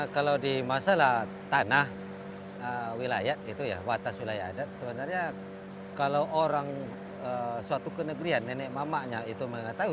kalau di masalah tanah wilayah itu ya batas wilayah adat sebenarnya kalau orang suatu kenegerian nenek mamaknya itu mengetahui